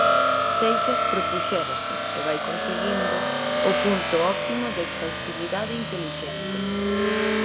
Seixas propuxérase, e vai conseguindo, o punto óptimo da exhaustividade intelixente.